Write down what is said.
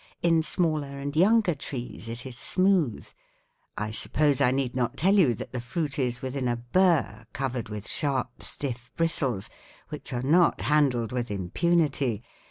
In smaller and younger trees it is smooth. I suppose I need not tell you that the fruit is within a burr covered with sharp, stiff bristles which are not handled with impunity.